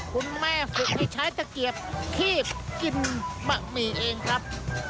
คุณแม่ฝึกที่ใช้ตะเกียบคีบกินบะหมี่เองครับ